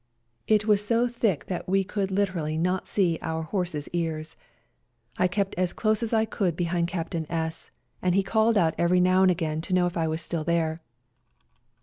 It was so thick that we could literally not see our horses' ears ; I kept as close as FIGHTING ON MOUNT CHUKUS 133 I could behind Captain S , and he called out every now and again to know if I was still there.